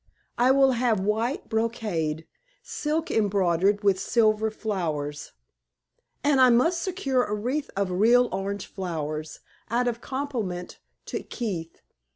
I will have white brocade, silk embroidered, with silver flowers; and I must secure a wreath of real orange flowers, out of compliment to Keith.